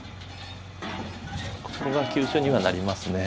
ここが急所にはなります。